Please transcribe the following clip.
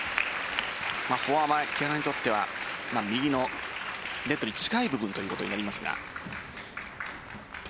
木原にとっては右のネットに近い部分ということになりますが。